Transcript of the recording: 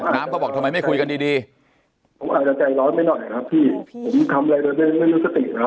น้ำก็บอกทำไมไม่คุยกันดีว่าจะใจร้อนมี่หน่อยครับพี่